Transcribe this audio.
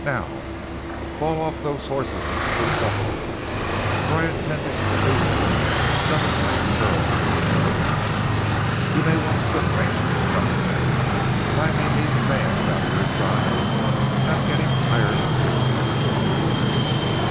Now, fall off those horses and spruce up a little, for I intend to introduce you to some as nice girls as you ever met. You may want to quit rangering some day, and I may need a man about your size, and I'm getting tired of single ones."